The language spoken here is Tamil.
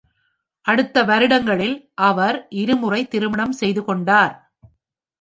அடுத்த வருடங்களில் அவர் இருமுறை திருமணம் செய்து கொண்டார்.